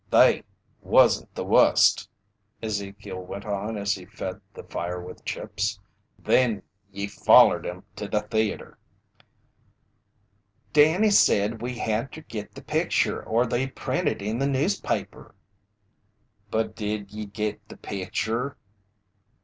"That wasn't the wust," Ezekiel went on as he fed the fire with chips. "Then ye follered 'em to the theater!" "Danny said we had ter git the picture or they'd print it in the newspaper." "But did ye git the picture?"